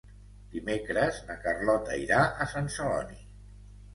Dimecres na Carlota irà a Sant Celoni.